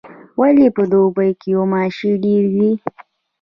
ولي په دوبي کي غوماشي ډیریږي؟